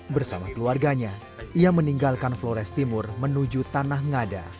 bersama keluarganya ia meninggalkan flores timur menuju tanah ngada